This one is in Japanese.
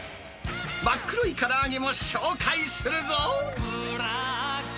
真っ黒いから揚げも紹介するぞ。